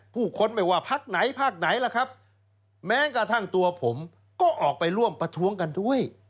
ค้นไม่ว่าพักไหนพักไหนล่ะครับแม้กระทั่งตัวผมก็ออกไปร่วมประท้วงกันด้วย